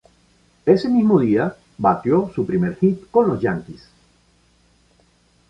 Ese mismo día, bateó su primer hit con los Yankees.